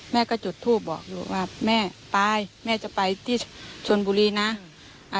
แม่ก็จุดทูปบอกอยู่ว่าแม่ไปแม่จะไปที่ชนบุรีนะ